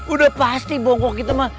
udah pasti bongkok gitu mah